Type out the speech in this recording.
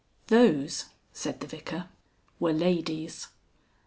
XI. "Those," said the Vicar, "were ladies."